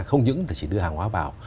không những chỉ đưa hàng hóa vào